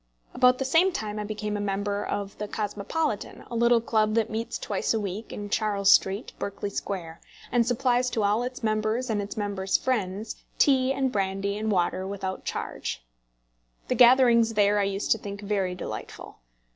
About the same time I became a member of the Cosmopolitan, a little club that meets twice a week in Charles Street, Berkeley Square, and supplies to all its members, and its members' friends, tea and brandy and water without charge! The gatherings there I used to think very delightful.